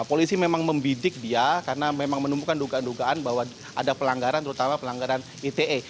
polisi memang membidik dia karena memang menemukan dugaan dugaan bahwa ada pelanggaran terutama pelanggaran ite